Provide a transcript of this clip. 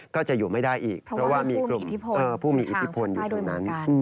ก็จะอยู่ไม่ได้อีกเพราะว่ามีกลุ่มผู้มีอิทธิพลอยู่ตรงนั้น